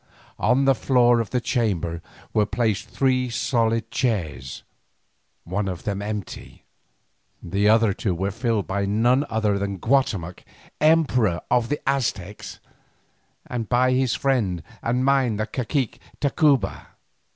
On the floor of the chamber were placed three solid chairs, one of them empty. The other two were filled by none other than Guatemoc, Emperor of the Aztecs, and by his friend and mine the cacique of Tacuba.